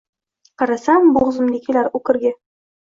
Qarasam, bo‘g‘zimga kelar o‘kirgi.